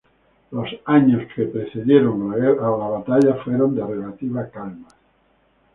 Los años que precedieron a la batalla fueron de relativa calma.